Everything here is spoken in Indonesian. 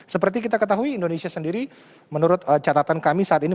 seperti kita ketahui indonesia sendiri menurut catatan kami saat ini